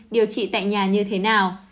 điều trị tại nhà như thế nào